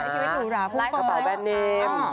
ใช่ชีวิตหรูหราฟูเฟ้ยใช้กระเป๋าแบนเนม